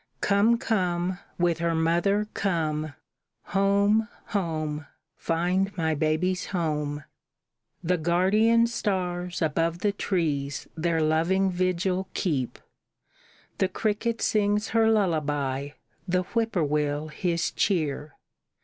Come, come, with her mother, come! Home, home, find my baby's home!" The guardian stars above the trees their loving vigil keep; The cricket sings her lullaby, the whippoorwill his cheer.